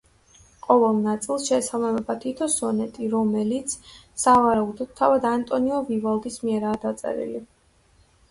ყოველ ნაწილს შეესაბამება თითო სონეტი, რომელიც, სავარაუდოდ, თავად ანტონიო ვივალდის მიერაა დაწერილი.